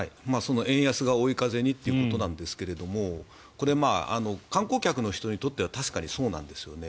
円安が追い風にということなんですがこれ、観光客の人にとっては確かにそうなんですよね。